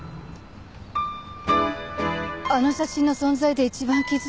あの写真の存在で一番傷つき